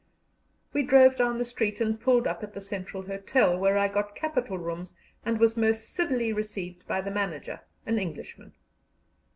We drove down the street, and pulled up at the Central Hotel, where I got capital rooms and was most civilly received by the manager, an Englishman.